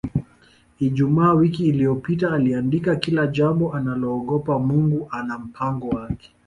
Ijumaa wiki iliyopita aliandika Kila jambo unaloogopa Mungu ana mpango wake